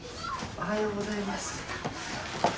おはようございます。